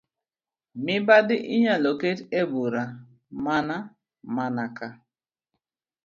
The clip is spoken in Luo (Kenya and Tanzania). Mibadhi inyalo ket e bur mana mana ka